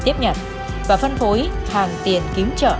tiếp nhận và phân phối hàng tiền kiếm trợ